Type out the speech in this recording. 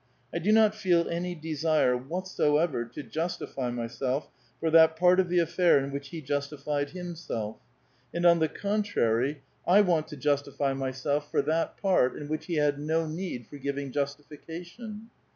I do not feel any desire whatsoever to justify myself for that part of the affair in which he justi fied himself ; and, on the contrary, I want to justify myself A VITAL QUESTION. 331 for that part in which he had no need for giving justification.